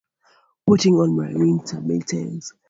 Putting on my winter mittens.